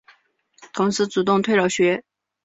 同时主动退了学。